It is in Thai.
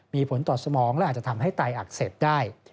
มีผลต่อสมองและอาจจะทำให้ไตอักเสบได้